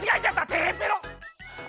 てへぺろ！